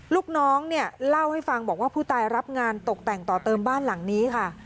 ลูกน้องเนี่ยเล่าให้ฟังบอกว่าผู้ตายรับงานตกแต่งต่อเติมบ้านหลังนี้ค่ะ